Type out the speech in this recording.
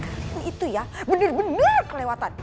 kalian itu ya bener bener kelewatan